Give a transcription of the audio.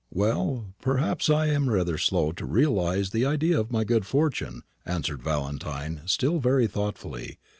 "Well, perhaps I am rather slow to realise the idea of my good fortune," answered Valentine, still very thoughtfully.